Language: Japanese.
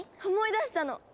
思い出したの！